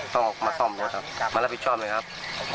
ต้องออกมาซ่อมรถครับมารับผิดชอบเลยครับ